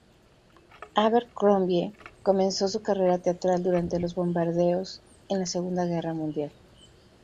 Abercrombie comenzó su carrera teatral durante los bombardeos en la Segunda Guerra Mundial.